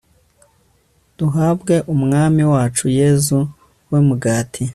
duhabwe umwami wacu yezu, we mugati